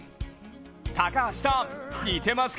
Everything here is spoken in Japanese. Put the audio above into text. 高橋さん、似てますか？